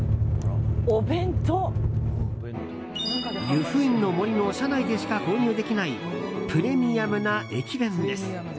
「ゆふいんの森」の車内でしか購入できないプレミアムな駅弁です。